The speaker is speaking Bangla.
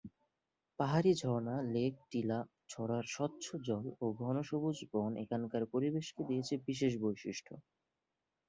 পাহাড়ী ঝর্ণা, লেক, টিলা, ছড়ার স্বচ্ছ জল ও ঘন সবুজ বন এখানকার পরিবেশকে দিয়েছে বিশেষ বৈশিষ্ট্য।